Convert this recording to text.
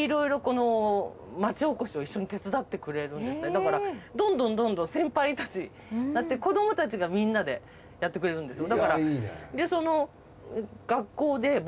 だからどんどんどんどん先輩たちになって子どもたちがみんなでやってくれるんですよ。